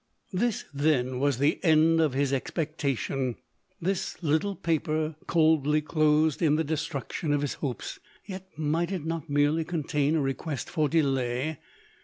This then was the end of his expectation, this little paper coldly closed in the destruction of his hopes ; yet might it not merely contain a re quest for delay